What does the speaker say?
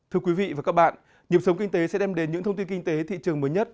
thưa quý vị và các bạn nhiệm sống kinh tế sẽ đem đến những thông tin kinh tế thị trường mới nhất